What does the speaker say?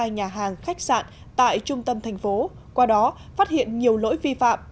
nhà hàng khách sạn tại trung tâm thành phố qua đó phát hiện nhiều lỗi vi phạm